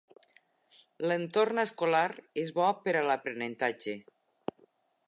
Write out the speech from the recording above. L'entorn escolar és bo per a l'aprenentatge.